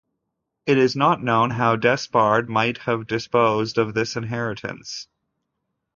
It is not known how Despard might have disposed of this inheritance.